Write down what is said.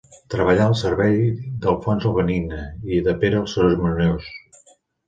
Treballà al servei d'Alfons el Benigne i de Pere el Cerimoniós.